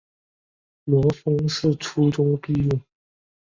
罗烽是初中毕业。